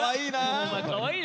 お前かわいいな。